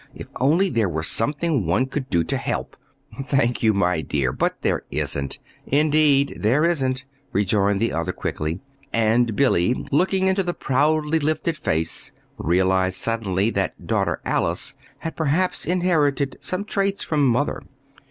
"If only there were something one could do to help!" "Thank you, my dear, but there isn't indeed there isn't," rejoined the other, quickly; and Billy, looking into the proudly lifted face, realized suddenly that daughter Alice had perhaps inherited some traits from mother.